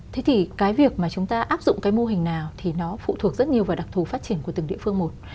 thế thì cái việc mà chúng ta áp dụng cái mô hình nào thì nó phụ thuộc rất nhiều vào đặc thù phát triển của từng địa phương một